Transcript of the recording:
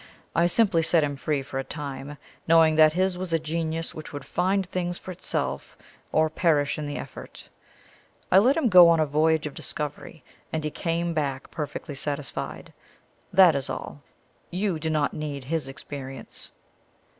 I simply set him free for a time, knowing that his was a genius which would find out things for itself or perish in the effort. I let him go on a voyage of discovery, and he came back perfectly satisfied. That is all. You do not need his experience."